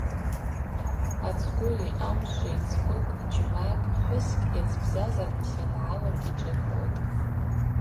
Ацгви амшви Цгвыкӏ, джьмакӏ, хӏвыскӏ йацбзазарныс йангӏалын йджвыквылтӏ.